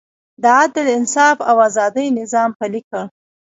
د عدل، انصاف او ازادۍ نظام پلی کړ.